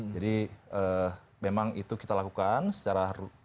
jadi memang itu kita lakukan secara